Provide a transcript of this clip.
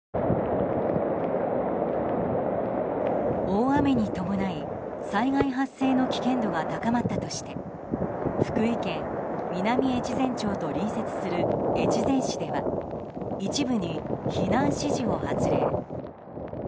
大雨に伴い、災害発生の危険度が高まったとして福井県南越前町と隣接する越前市では一部に避難指示を発令。